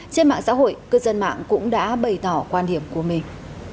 trên mạng xã hội cư dân mạng cũng đã bày tỏ quan điểm của mình